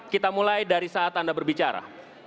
kita mulai dari saat anda berbicara